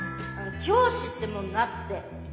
教師ってもんになってねっ。